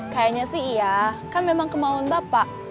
kayaknya sih iya kan memang kemauan bapak